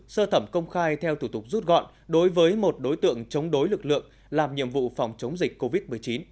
sơ thẩm công khai theo thủ tục rút gọn đối với một đối tượng chống đối lực lượng làm nhiệm vụ phòng chống dịch covid một mươi chín